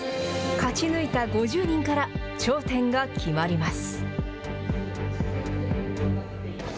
勝ち抜いた５０人から頂点が決まります。